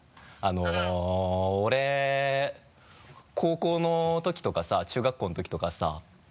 あの俺高校の時とかさ中学校の時とかさ